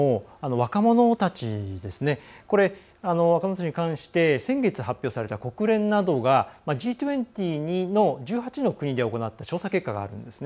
若者たちに関して先月、発表された国連などがＧ２０の１８の国で行った調査結果があるんですね。